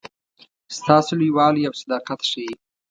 ستاسي لوی والی او صداقت ښيي.